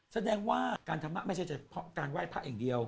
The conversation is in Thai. แสดงว่าการธรรมะไม่ใช่เฉพาะการไหว้พระอย่างเดียว